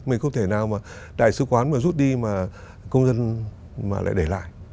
mình không thể nào mà đại sứ quán mà rút đi mà công dân mà lại để lại